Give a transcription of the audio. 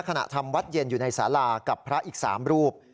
ทำวัดเย็นอยู่ในสารากับพระอีก๓รูป